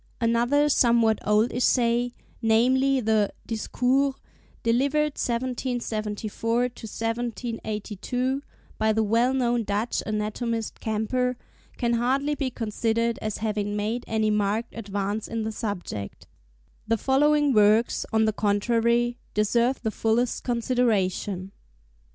Another somewhat old essay, namely, the 'Discours,' delivered 1774 1782, by the well known Dutch anatomist Camper, can hardly be considered as having made any marked advance in the subject. The following works, on the contrary, deserve the fullest consideration.